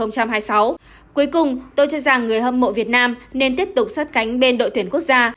cuối cùng tôi cho rằng người hâm mộ việt nam nên tiếp tục sát cánh bên đội tuyển quốc gia